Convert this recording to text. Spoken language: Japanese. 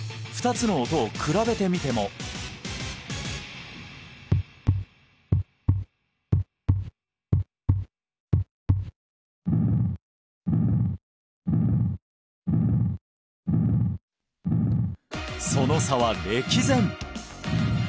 ２つの音を比べてみてもその差は歴然！